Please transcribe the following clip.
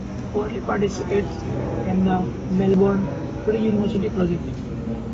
Foley participated in the Melbourne Free University project.